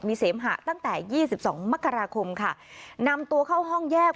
มีเสมหะตั้งแต่ยี่สิบสองมกราคมค่ะนำตัวเข้าห้องแยก